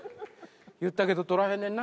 言ったけどとらへんねんな。